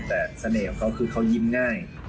แต่เสน่ห์ของเขาคือเขายิ้มง่าย